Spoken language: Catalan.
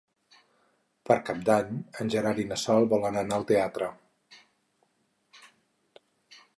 Per Cap d'Any en Gerard i na Sol volen anar al teatre.